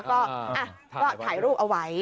ก็อ่ะก็ถ่ายรูปเอาไว้